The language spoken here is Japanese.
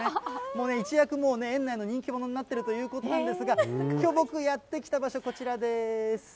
もうね、一躍もう園内の人気者になってるということなんですが、きょう、僕やって来た場所、こちらです。